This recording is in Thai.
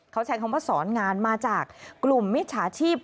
เขาใช้คำว่าสอนงานมาจากกลุ่มมิจฉาชีพ